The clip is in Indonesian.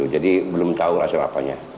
jadi belum tahu langsung apanya